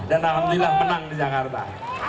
dan alhamdulillah menang di jakarta